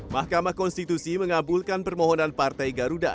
mahkamah konstitusi mengabulkan permohonan partai garuda